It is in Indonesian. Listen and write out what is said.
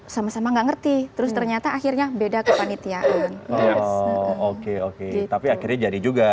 sama sama nggak ngerti terus ternyata akhirnya beda kepanitiaan oke oke tapi akhirnya jadi juga